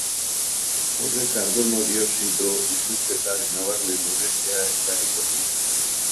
Horrek karbono dioxido isurketak nabarmen murriztea ekarriko du.